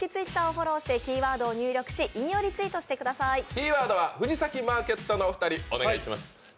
キーワードは藤崎マーケットのお二人、お願いします。